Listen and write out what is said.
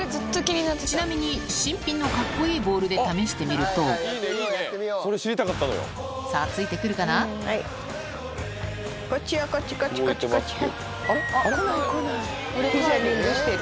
ちなみに新品のカッコいいボールで試してみるとさぁついて来るかな？来ない来ない。